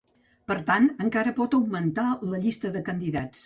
Per tant, encara pot augmentar la llista de candidats.